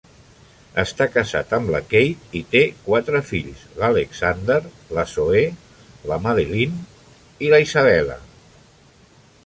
Està casat amb la Kate i té quatre fills: l'Alexander, la Zoe, la Madeline i la Isabella.